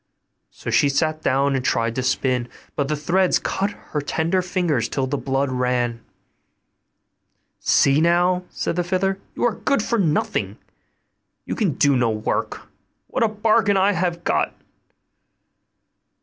So she sat down and tried to spin; but the threads cut her tender fingers till the blood ran. 'See now,' said the fiddler, 'you are good for nothing; you can do no work: what a bargain I have got!